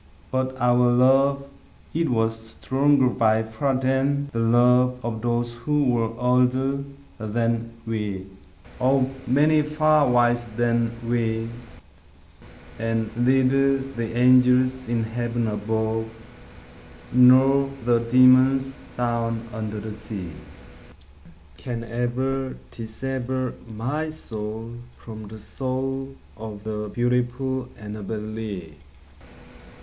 But our love it was stronger by far than the love Of those who were older than we Of many far wiser than we And neither the angels in heaven above, Nor the demons down under the sea, Can ever dissever my soul from the soul Of the beautiful Annabel Lee.